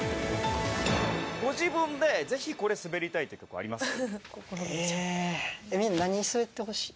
ご自分でぜひこれ、滑りたいというのありますか？